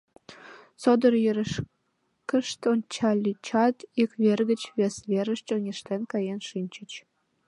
Содор йырышкышт ончальычат, ик вер гыч вес верыш чоҥештен каен шинчыч.